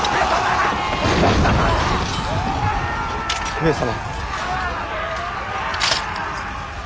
上様。